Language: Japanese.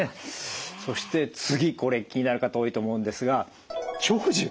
そして次これ気になる方多いと思うんですが長寿。